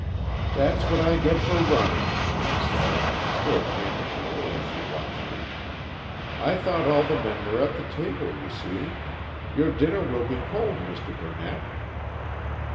"That's what I get for running," she said, still panting a little as she watched him. "I thought all the men were at the table, you see. Your dinner will be cold, Mr. Burnett."